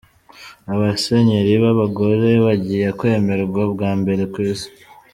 Abasenyeri b’abagore bagiye kwemerwa bwambere ku isi